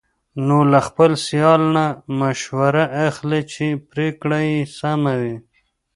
نو له خپل سیال نه مشوره اخلي، چې پرېکړه یې سمه وي.